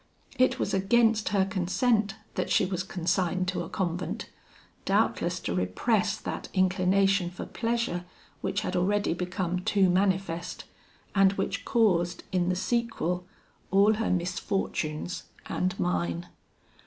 It was against her consent that she was consigned to a convent, doubtless to repress that inclination for pleasure which had already become too manifest, and which caused, in the sequel, all her misfortunes and mine.